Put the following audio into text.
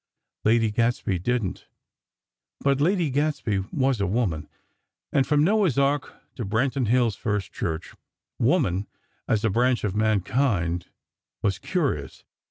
Lady Gadsby didn't; but Lady Gadsby was a woman; and, from Noah's Ark to Branton Hills' First Church, woman, as a branch of Mankind, was curious.